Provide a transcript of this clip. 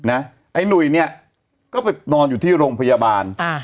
ไอ้หนุ่ยเนี่ยก็ไปนอนอยู่ที่โรงพยาบาล